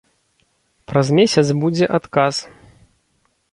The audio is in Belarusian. Праз месяц будзе адказ.